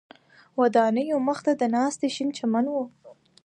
ودانیو مخ ته د ناستي شین چمن و.